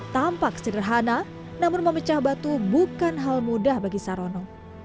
tampak sederhana namun memecah batu bukan hal mudah bagi sarono